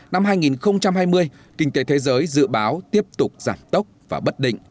năm hai nghìn hai mươi kinh tế thế giới dự báo tiếp tục giảm tốc và bất định